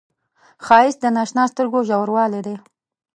ښایست د نااشنا سترګو ژوروالی دی